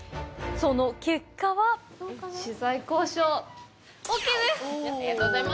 その結果は取材交渉、ＯＫです！